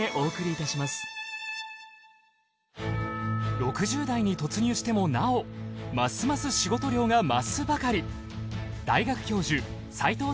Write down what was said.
６０代に突入してもなおますます仕事量が増すばかり。